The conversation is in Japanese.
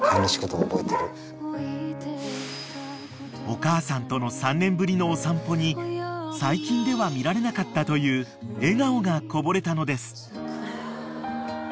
［お母さんとの３年ぶりのお散歩に最近では見られなかったという笑顔がこぼれたのです］